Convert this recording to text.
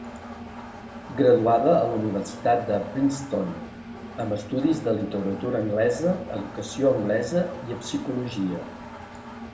Graduada en la Universitat de Princeton, amb estudis de literatura anglesa, educació anglesa i psicologia.